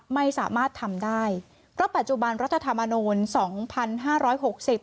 ไม่สามารถทำได้เพราะปัจจุบันรัฐธรรมนูลสองพันห้าร้อยหกสิบ